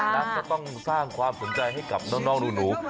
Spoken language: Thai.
ก็ต้องสร้างความสนใจให้กับน้องหนู